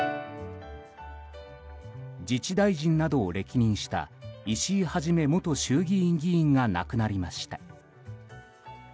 自治大臣などを歴任した石井一元衆議院議員が亡くなりました。